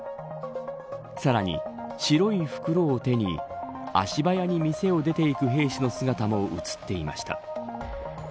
さらに、白い袋を手に足早に店を出ていく兵士の姿も映っていました。